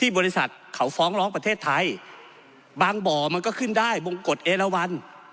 บริษัทเขาฟ้องร้องประเทศไทยบางบ่อมันก็ขึ้นได้บงกฎเอละวัน